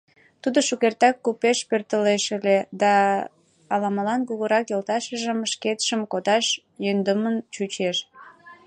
Тудо шукертак купеш пӧртылеш ыле да ала-молан кугурак йолташыжым шкетшым кодаш йӧндымын чучеш.